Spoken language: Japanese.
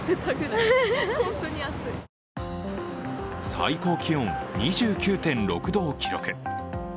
最高気温２９．６度を記録。